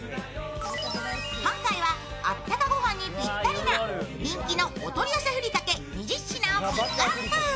今回は、あったか御飯にぴったりな人気のお取り寄せふりかけ２０品をピックアップ。